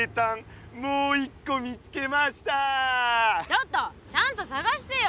ちょっとちゃんとさがしてよ！